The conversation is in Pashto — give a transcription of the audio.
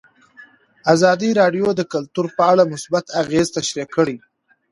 ازادي راډیو د کلتور په اړه مثبت اغېزې تشریح کړي.